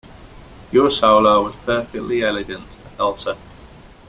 Your solo was perfectly elegant, Elsa.